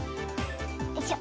よいしょ。